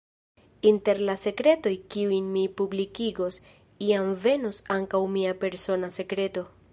Inter la sekretoj kiujn mi publikigos, iam venos ankaŭ mia persona sekreto.